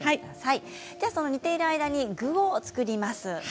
煮ている間に具を作ります。